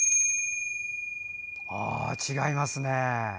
違いますね。